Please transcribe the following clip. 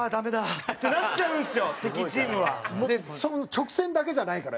直線だけじゃないから。